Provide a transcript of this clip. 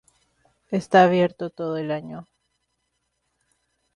Está abierto todo el año.